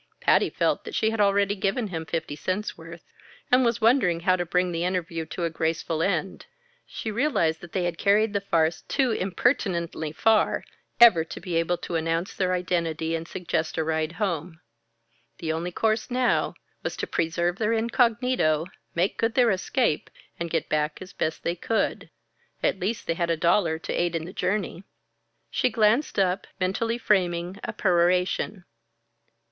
Patty felt that she had already given him fifty cents' worth, and was wondering how to bring the interview to a graceful end. She realized that they had carried the farce too impertinently far, ever to be able to announce their identity and suggest a ride home. The only course now, was to preserve their incognito, make good their escape, and get back as best they could at least they had a dollar to aid in the journey! She glanced up, mentally framing a peroration.